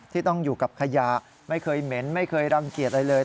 ที่ต้องอยู่กับขยะไม่เคยเหม็นไม่เคยรังเกียจอะไรเลย